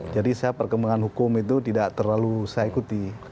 jadi saya perkembangan hukum itu tidak terlalu saya ikuti